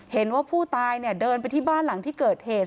เห็นว่าผู้ตายเนี่ยเดินไปที่บ้านหลังที่เกิดเหตุ